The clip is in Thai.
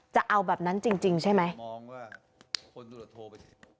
จะเอาแบบนั้นจริงใช่ไหม